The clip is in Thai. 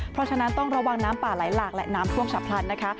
เพราะฉะนั้นต้องระวังน้ำป่าไหลหลากและน้ำท่วมฉับพลันนะคะ